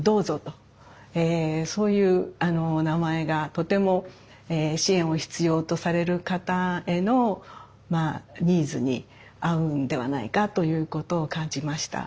そういう名前がとても支援を必要とされる方へのニーズに合うんではないかということを感じました。